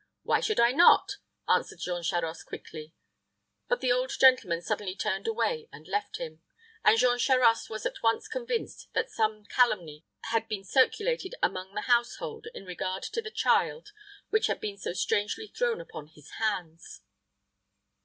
"Why should I not?" answered Jean Charost, quickly. But the old gentleman suddenly turned away and left him; and Jean Charost was at once convinced that some calumny had been circulated among the household in regard to the child which had been so strangely thrown upon his hands.